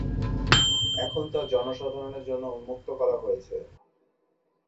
এখন তা জনসাধারণের জন্য উন্মুক্ত করা হয়েছে।